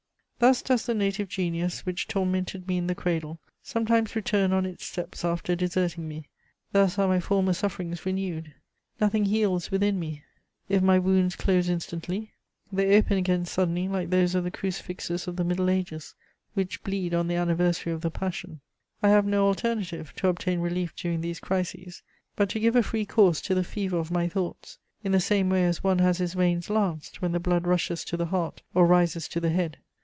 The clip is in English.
Thus does the native genius which tormented me in the cradle sometimes return on its steps after deserting me; thus are my former sufferings renewed; nothing heals within me; if my wounds close instantly, they open again suddenly like those of the crucifixes of the Middle Ages, which bleed on the anniversary of the Passion. I have no alternative, to obtain relief during these crises, but to give a free course to the fever of my thoughts, in the same way as one has his veins lanced when the blood rushes to the heart or rises to the head.